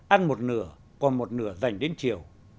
ăn một nửa còn một nửa dành đến chiều